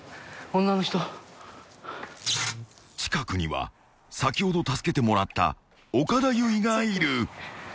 ［近くには先ほど助けてもらった岡田結実がいる］